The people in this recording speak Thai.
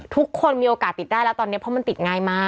ทุกคนมีโอกาสติดได้แล้วตอนนี้เพราะมันติดง่ายมาก